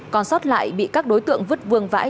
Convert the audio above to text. còn sót lại bị các đối tượng vứt vương vãi